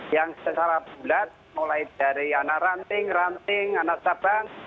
yang secara bulat mulai dari anak ranting ranting anak sabang